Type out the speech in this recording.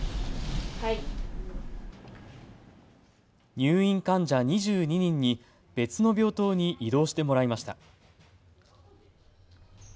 入院患者２２人に別の病棟に移動してもらいました。